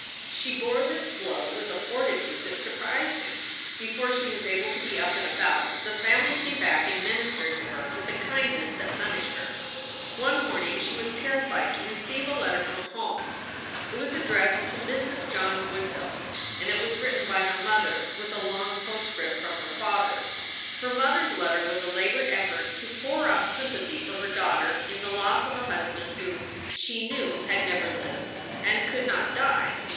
She bore this blow with a fortitude that surprised him. Before she was able to be up and about, the family came back and ministered to her with a kindness that punished her. One morning she was terrified to receive a letter from home. It was addressed to "Mrs. John Woodville" and it was written by her mother, with a long postscript from her father. Her mother s letter was a labored effort to pour out sympathy for her daughter in the loss of a husband who, she knew, had never lived and could not die.